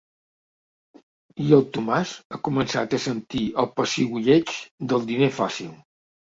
I el Tomàs ha començat a sentir el pessigolleig del diner fàcil.